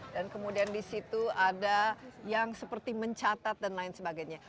dan kemudian disitu ada yang seperti mencatat dan lain sebagainya